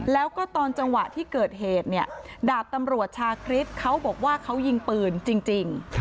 แล้วก็ตอนจังหวะที่เกิดเหตุเนี่ยดาบตำรวจชาคริสเขาบอกว่าเขายิงปืนจริง